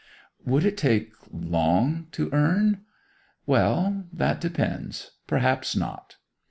'Would it take long to earn?' 'Well, that depends; perhaps not.